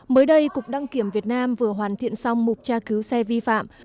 mới đây cục đăng kiểm việt nam vừa hoàn thiện xong mục tra cứu xe vi phạm